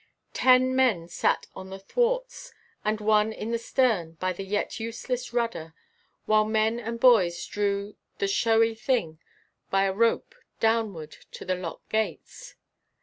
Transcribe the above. Ten men sat on the thwarts, and one in the stern by the yet useless rudder, while men and boys drew the showy thing by a rope downward to the lock gates.